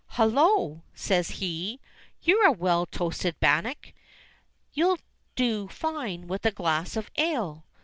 "Hullo !" says he, "you're a well toasted bannock. You'll do fine with a glass of ale